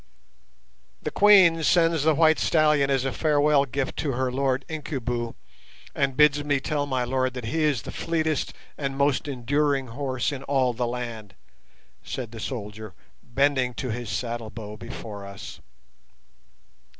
"The Queen sends the white stallion as a farewell gift to her Lord Incubu, and bids me tell my lord that he is the fleetest and most enduring horse in all the land," said the soldier, bending to his saddle bow before us.